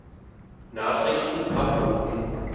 Nachrichten abrufen.